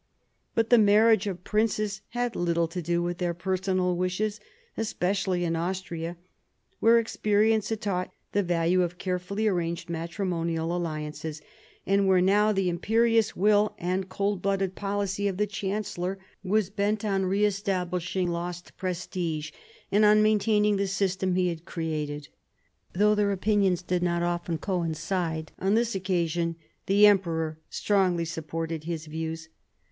But the marriage of princes had little to do with their personal wishes, especially in Austria, where experience had taught the value of carefully arranged matrimonial alliances, and where now the imperious will and cold blooded policy of the chancellor was bent on re establish ing lost prestige and on maintaining the system he had created. Though their opinions did not often coincide, on this occasion the emperor strongly supported his views.